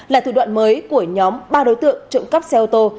là thủ đoạn mới của nhóm ba đối tượng trộm cắp xe ô tô